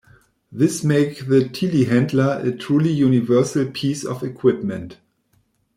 This make the telehandler a truly universal piece of equipment.